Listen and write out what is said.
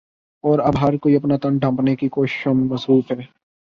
اور اب ہر کوئی اپنا تن ڈھانپٹنے کی کوششوں میں مصروف ہے